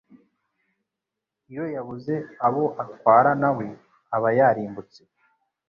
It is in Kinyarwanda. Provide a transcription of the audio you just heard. iyo yabuze abo atwara na we aba yarimbutse